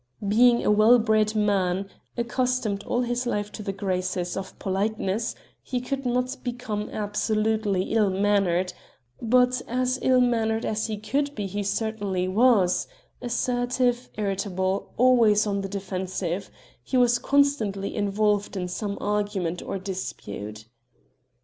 Being a well bred man, accustomed all his life to the graces of politeness, he could not become absolutely ill mannered but as ill mannered as he could be he certainly was: assertive, irritable, always on the defensive, he was constantly involved in some argument or dispute.